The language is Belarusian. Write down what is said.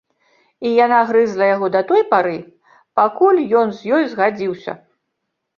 - І яна грызла яго да той пары, пакуль ён з ёй згадзіўся